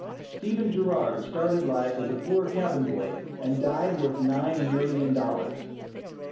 Stephen Girard started life as a poor cabin boy, and died worth nine million dollars.